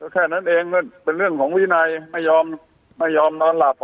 แค่นั้นเองก็เป็นเรื่องของวินัยไม่ยอมไม่ยอมนอนหลับ